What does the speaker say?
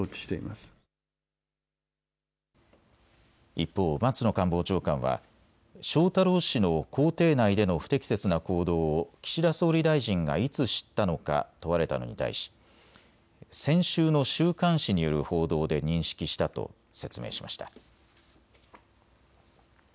一方、松野官房長官は翔太郎氏の公邸内での不適切な行動を岸田総理大臣がいつ知ったのか問われたのに対し先週の週刊誌による報道で認識したと説明しました。